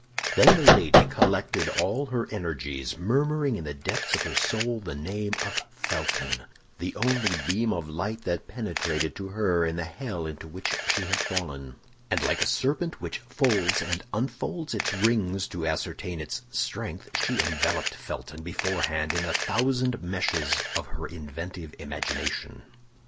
Then Milady collected all her energies, murmuring in the depths of her soul the name of Felton—the only beam of light that penetrated to her in the hell into which she had fallen; and like a serpent which folds and unfolds its rings to ascertain its strength, she enveloped Felton beforehand in the thousand meshes of her inventive imagination.